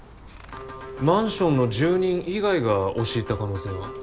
マンションの住人以外が押し入った可能性は？